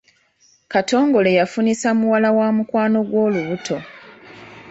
Katongole yafunisa muwala wa mukwano gwange olubuto.